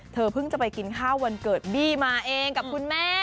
เพิ่งจะไปกินข้าววันเกิดบี้มาเองกับคุณแม่